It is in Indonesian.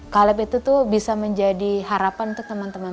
caleb itu tuh bisa menjadi harapan untuk teman teman